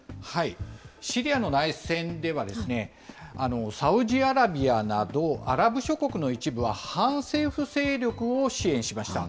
シリアの内戦では、サウジアラビアなどアラブ諸国の一部は、反政府勢力を支援しました。